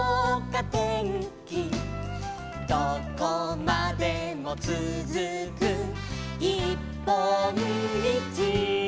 「どこまでもつづくいっぽんみち」